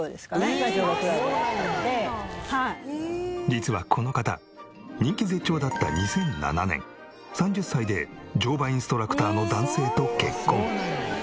実はこの方人気絶頂だった２００７年３０歳で乗馬インストラクターの男性と結婚。